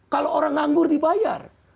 kalau orang anggur dibayar